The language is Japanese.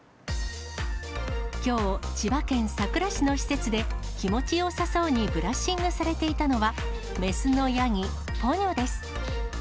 きょう、千葉県佐倉市の施設で、気持ちよさそうにブラッシングされていたのは、雌のヤギ、ポニョです。